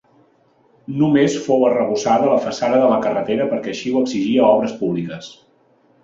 Només fou arrebossada la façana de la carretera perquè així ho exigia Obres Públiques.